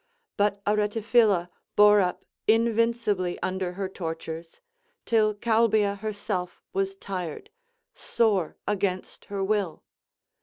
But Aretaphila bore up invincibly under her tortures, till Calbia herself was tired, sore against her will.